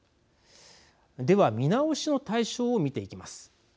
では見直しの対象を見ていきます。